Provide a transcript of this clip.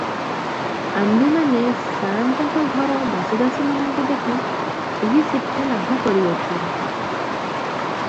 ଆମ୍ଭେମାନେ ସାଆନ୍ତଙ୍କ ଘର ଦାସ ଦାସୀ ମାନଙ୍କୁ ଦେଖି ଏହି ଶିକ୍ଷା ଲାଭ କରିଅଛୁଁ ।